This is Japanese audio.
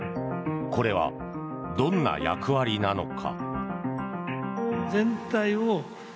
これは、どんな役割なのか。